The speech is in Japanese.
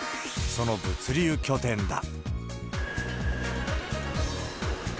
その物流拠点だ。